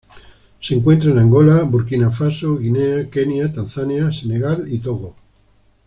Se encuentra en Angola Burkina Faso, Guinea, Kenia, Tanzania, Senegal y Togo.